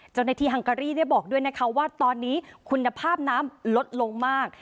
ฮังการีได้บอกด้วยนะคะว่าตอนนี้คุณภาพน้ำลดลงมาก